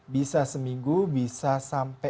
bisa seminggu bisa sampai